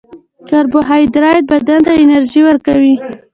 کاربوهایډریټ بدن ته انرژي ورکوي